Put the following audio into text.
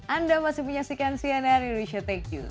anda masih punya sikian cnr indonesia take you